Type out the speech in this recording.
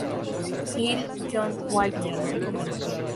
Hill, John Walter.